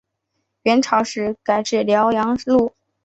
元朝时改置辽阳路。